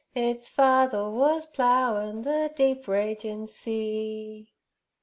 Eets father wors ploughin' ther deep ragin' sea.'